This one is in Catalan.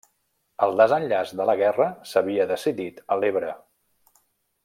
El desenllaç de la guerra s'havia decidit a l'Ebre.